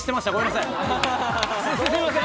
すいません。